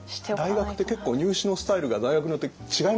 大学って結構入試のスタイルが大学によって違いますもんね。